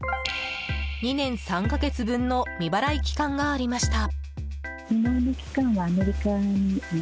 ２年３か月分の未払い期間がありました。